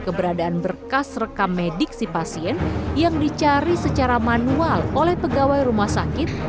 keberadaan berkas rekam medik si pasien yang dicari secara manual oleh pegawai rumah sakit